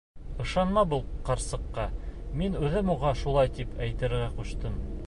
Ышанма был ҡарсыҡҡа, мин үҙем уға шулай тип әйтергә ҡуштым.